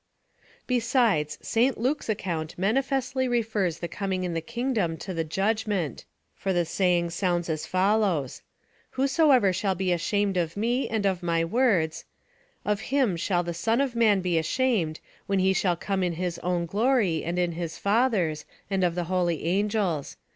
Besides, St. Luke's account manifestly refers the coming in the kingdom to the Judgment, for the saying stands as follows: "Whosoever shall be ashamed of Me, and of My words, of him shall the Son of Man be ashamed, when He shall come in His own glory, and in His Father's, and of the holy angels.